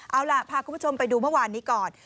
เอาล่ะพาคุณผู้ชมไปดูเมื่อวานนี้ก่อน